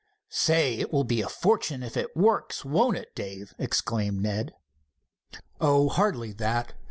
"Say, it will be a fortune if it works, won't it, Dave?" exclaimed Ned. "Oh, hardly that.